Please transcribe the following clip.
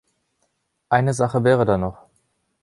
Eine Sache wäre da noch.